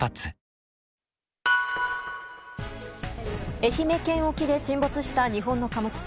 愛媛県沖で沈没した日本の貨物船。